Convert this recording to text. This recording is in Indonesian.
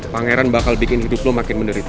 pangeran akan membuat hidupmu menjadi lebih menderita